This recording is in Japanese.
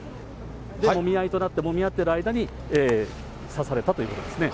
で、もみ合いとなって、もみ合ってる間に刺されたということですね。